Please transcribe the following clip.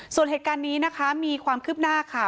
ส่วนเหตุการณ์นี้นะคะมีความคืบหน้าค่ะ